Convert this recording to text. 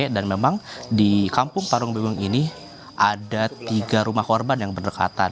dan memang di kampung parung bingung ini ada tiga rumah korban yang berdekatan